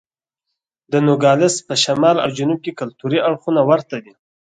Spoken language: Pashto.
د نوګالس په شمال او جنوب کې کلتوري اړخونه ورته دي.